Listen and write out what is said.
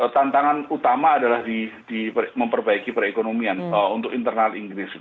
tantangan utama adalah di memperbaiki perekonomian untuk internal inggris